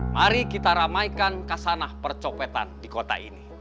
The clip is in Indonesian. mari kita ramaikan kasanah percopetan di kota ini